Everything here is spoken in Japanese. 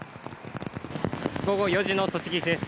午後４時の栃木市です。